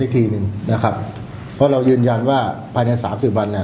ทีหนึ่งนะครับเพราะเรายืนยันว่าภายในสามสิบวันเนี่ย